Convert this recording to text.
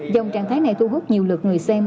dòng trạng thái này thu hút nhiều lượt người xem